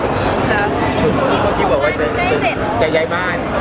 ชิคกี้พายก็บอกว่าจะย้ายบ้าน